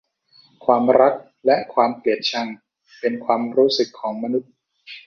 ความรักและความเกลียดชังเป็นความรู้สึกของมนุษย์